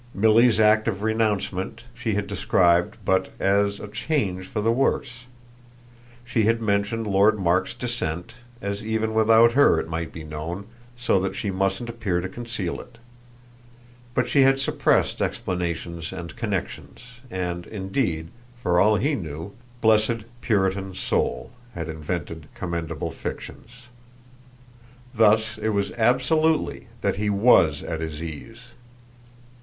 Milly's act of renouncement she had described but as a change for the worse; she had mentioned Lord Mark's descent, as even without her it might be known, so that she mustn't appear to conceal it; but she had suppressed explanations and connexions, and indeed, for all he knew, blessed Puritan soul, had invented commendable fictions. Thus it was absolutely that he WAS at his ease.